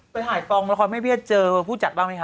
ไปถ่ายกองละครแม่เบี้ยเจอผู้จัดบ้างไหมค